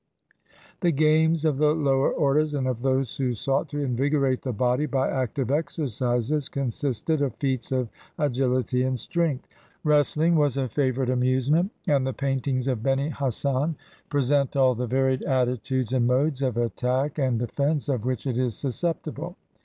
The games of the lower orders, and of those who sought to invigorate the body by active exercises, con sisted of feats of agility and strength. Wrestling was a favorite amusement; and the paintings of Beni Hassan present all the varied attitudes and modes of attack and defense of which it is susceptible.